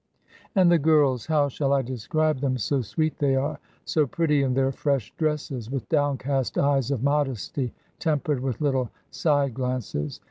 And the girls, how shall I describe them, so sweet they are, so pretty in their fresh dresses, with downcast eyes of modesty, tempered with little side glances.